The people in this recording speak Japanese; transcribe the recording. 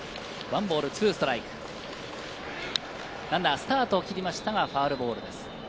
ランナーはスタートを切りましたがファウルボールです。